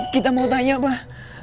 kita mau tanya pak